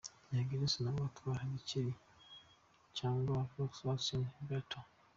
Young Grace, nawe atwara "Gikeri" cyangwa Volkswagen Beattle.